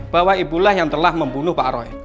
bahwa ibulah yang telah membunuh pak roy